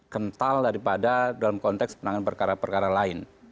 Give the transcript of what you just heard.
kental daripada dalam konteks penanganan perkara perkara lain